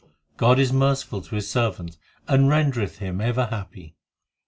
God is merciful to His servant, And rendereth him ever happy.